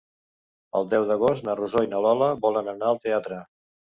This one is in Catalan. El deu d'agost na Rosó i na Lola volen anar al teatre.